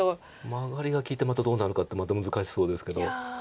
マガリが利いてまたどうなのかってまた難しそうですけど。